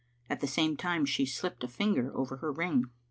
At the same time she slipped a finger over her ring.